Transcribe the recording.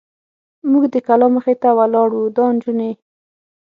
موږ د کلا مخې ته ولاړ و، دا نجونې.